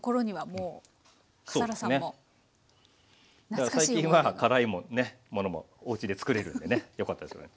だから最近は辛い物もおうちで作れるんでねよかったですけど。